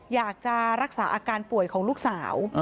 อยากจะรักษาอาการป่วยของลูกสาว